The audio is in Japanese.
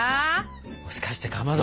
もしかしてかまど。